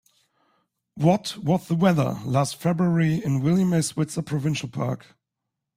What was the weather last February in William A. Switzer Provincial Park?